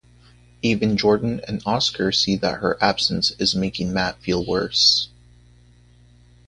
Even Jordan and Oscar see that her absence is making Matt feel worse.